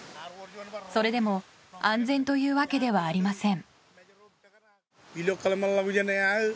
それでも安全というわけではありません。